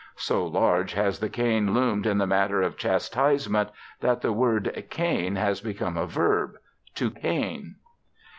So large has the cane loomed in the matter of chastisement that the word cane has become a verb, to cane.